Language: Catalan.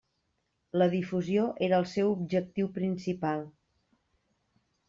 La difusió era el seu objectiu principal.